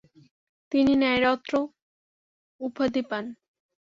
তিনি ন্যায়রত্ন উপাধি পান।